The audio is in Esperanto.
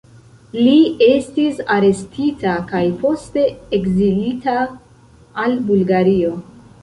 Li estis arestita kaj poste ekzilita al Bulgario.